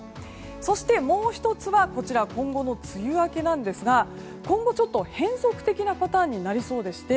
そして、もう１つは今後の梅雨明けなんですが今後、変則的なパターンになりそうでして。